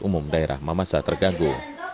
umum daerah mamasa terganggu